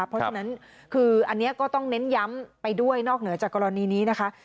เพราะฉะนั้นคืออันนี้ก็ต้องเน้นย้ำไปด้วยนอกเหนือจากกรณีนี้นะคะ